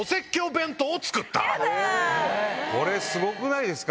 これすごくないですか？